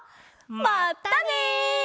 まったね！